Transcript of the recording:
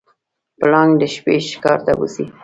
پړانګ د شپې ښکار ته وځي.